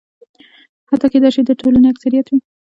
حتی کېدای شي د ټولنې اکثریت وي.